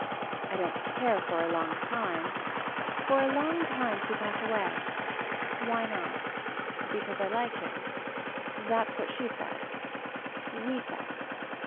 I don't care for a long time. For a long time to pass away. Why not. Because I like him. That's what she said. We said.